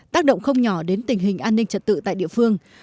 tác động không nhỏ đến tình hình an ninh trật tự tại địa phương